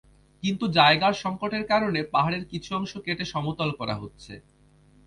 কিন্তু জায়গার সংকটের কারণে পাহাড়ের কিছু অংশ কেটে সমতল করা হচ্ছে।